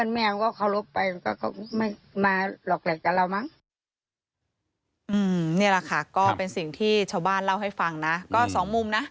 นี่แหละค่ะก็เป็นสิ่งที่ชาวบ้านเล่าให้ฟังนะก็สองมุมนะ